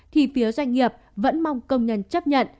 thì phía doanh nghiệp vẫn mong công nhân chấp nhận